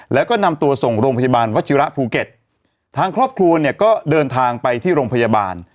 แล้วก็นำตัวส่งโรงพยาบาลวัชิระภูเก็ตทางครอบครัวเนี่ยก็เดินทางไปที่โรงพยาบาล